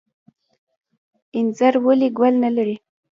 انځر ولې ګل نلري؟